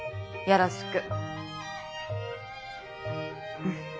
よろしく。